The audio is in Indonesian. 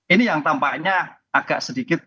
ini yang tampaknya agak sedikit melenceng gitu mbak